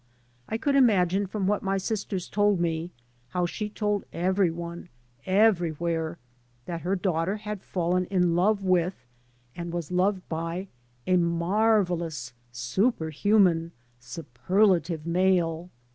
I could imagine from what my sisters told me how she told every one, everywhere, that her daughter had fallen in love with, and was loved by, a mar vellous, super human, superlative male.